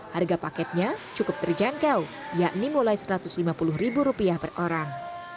harga paketnya cukup terjangkau yakni mulai rp satu ratus lima puluh per orang